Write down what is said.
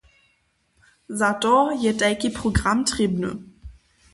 Za to je tajki program trěbny.